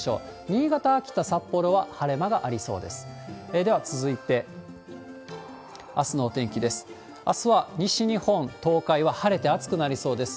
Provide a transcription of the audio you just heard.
新潟、秋田、札幌は晴れ間がありそうです。